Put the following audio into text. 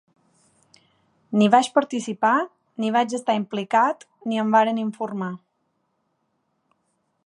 Ni vaig participar, ni vaig estar implica ni em varen informar.